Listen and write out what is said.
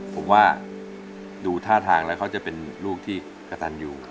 ผมว่าดูท่าทางแล้วเขาจะเป็นลูกที่กระตันอยู่